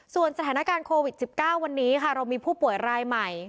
ส่วนสถานการณ์โควิด๑๙วันนี้ค่ะเรามีผู้ป่วยรายใหม่